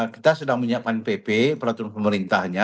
kita sudah menyiapkan pp peraturan pemerintahnya